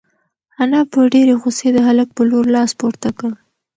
انا په ډېرې غوسې د هلک په لور لاس پورته کړ.